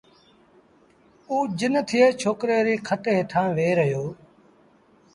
اُ جن ٿئي ڇوڪريٚ ريٚ کٽ هيٺآݩ ويه رهيو